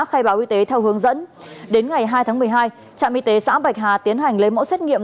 khai báo y tế theo hướng dẫn đến ngày hai tháng một mươi hai trạm y tế xã bạch hà tiến hành lấy mẫu xét nghiệm